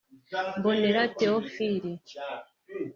Mbonera Theophile